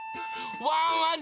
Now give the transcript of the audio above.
ワンワン